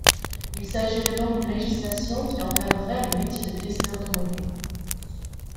Il s’agirait donc d’une législation qui encadrait le métier de testeur de monnaie.